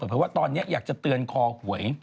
เพราะว่าตอนนี้อยากจะเตือนคอหวย